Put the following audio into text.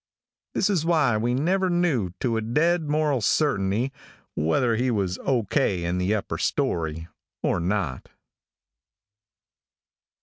"This is why we never knew to a dead moral certainty, whether he was O. K. in the upper story, or not."